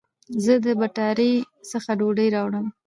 زه د بټاری څخه ډوډي راوړم